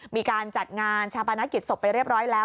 มีการจัดงานชาปนกิจศพไปเรียบร้อยแล้ว